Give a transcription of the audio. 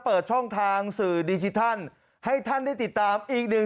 เปิดช่องทางสื่อดิจิทัลให้ท่านได้ติดตามอีกหนึ่ง